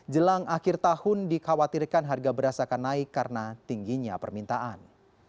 jelang akhir tahun dikhawatirkan harga beras akan naik karena tingginya permintaan